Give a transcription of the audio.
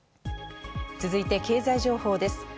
続いて経済情報です。